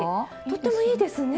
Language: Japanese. とってもいいですね。